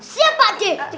siap pak deh